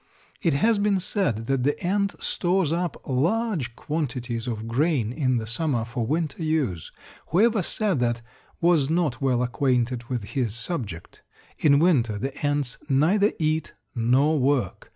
It has been said that the ant stores up large quantities of grain in the summer for winter use. Whoever said that was not well acquainted with his subject. In winter the ants neither eat nor work.